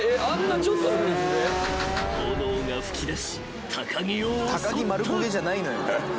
［炎が噴き出し高木を襲った］